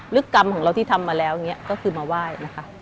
กรรมของเราที่ทำมาแล้วอย่างนี้ก็คือมาไหว้นะคะ